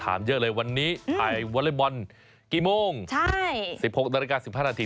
อันนี้ไทยวอเลปบอลกี่โมงใช่